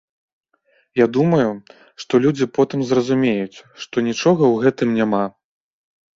Я думаю, што людзі потым зразумеюць, што нічога ў гэтым няма.